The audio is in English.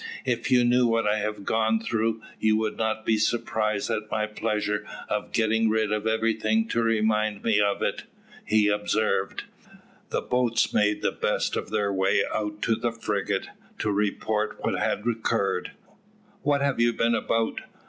"If you knew what I have gone through, you would not be surprised at my pleasure of getting rid of everything to remind me of it," he observed. The boats made the best of their way out to the frigate, to report what had occurred. "What have you been about?